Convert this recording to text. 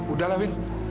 udah lah bing